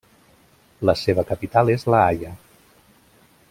La seva capital és la Haia.